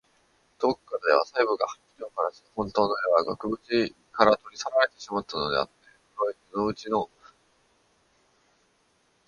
遠くからでは細部がはっきりわからず、ほんとうの絵は額ぶちから取り去られてしまったのであって、黒い裏打ちの布だけが見えているのだ、と思っていた。